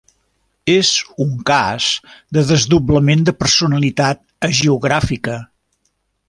És un cas de desdoblament de personalitat hagiogràfica.